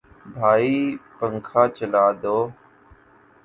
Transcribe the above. بھائی پنکھا چلا دو